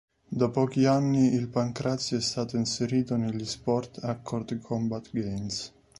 Da pochi anni il Pancrazio è stato inserito negli Sport Accord Combat Games.